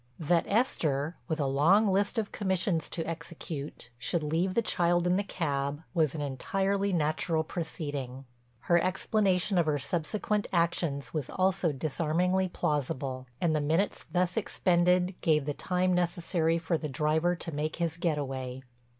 That Esther, with a long list of commissions to execute, should leave the child in the cab was an entirely natural proceeding. Her explanation of her subsequent actions was also disarmingly plausible, and the minutes thus expended gave the time necessary for the driver to make his get away.